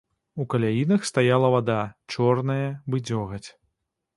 У каляінах стаяла вада, чорная, бы дзёгаць.